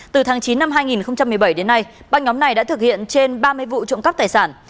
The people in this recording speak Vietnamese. từ tháng chín năm hai nghìn một mươi bảy đến nay băng nhóm này đã thực hiện trên ba mươi vụ trộm cắp tài sản